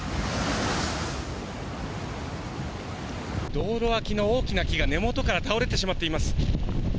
道路脇の大きな木が根元から倒れてしまっています。